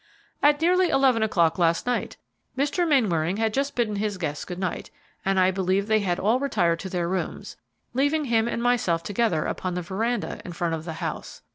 "At nearly eleven o'clock last night. Mr. Mainwaring had just bidden his guests good night, and I believe they had all retired to their rooms, leaving him and myself together upon the veranda in front of the house.